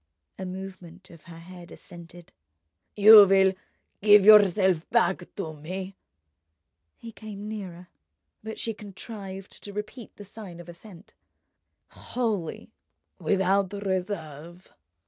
A movement of her head assented. "You will give yourself back to me?" He came nearer, but she contrived to repeat the sign of assent. "Wholly, without reserve?"